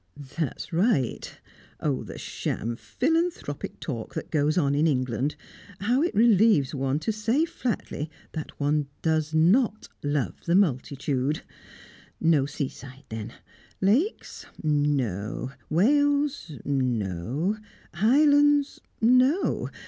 "That's right. Oh, the sham philanthropic talk that goes on in England! How it relieves one to say flatly that one does not love the multitude! No seaside, then. Lakes no; Wales no; Highlands no.